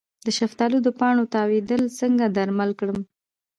د شفتالو د پاڼو تاویدل څنګه درمل کړم؟